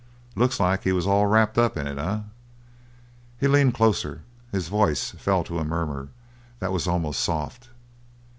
Looks like he was all wrapped up in it, eh?" He leaned closer, his voice fell to a murmur that was almost soft.